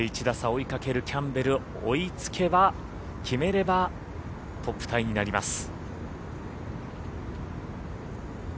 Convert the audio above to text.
追いかけるキャンベル追いつけば決めれば、トップタイになります。